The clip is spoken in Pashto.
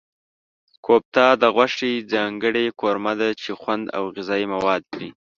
کوفته د غوښې ځانګړې قورمه ده چې خوند او غذايي مواد لري.